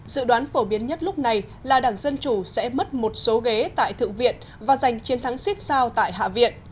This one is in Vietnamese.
dự đoán phổ biến nhất lúc này là đảng dân chủ sẽ mất một số ghế tại thượng viện và giành chiến thắng siết sao tại hạ viện